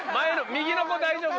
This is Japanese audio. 右の子大丈夫？